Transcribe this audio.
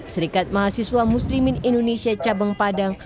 serikat mahasiswa muslimin indonesia cabang padang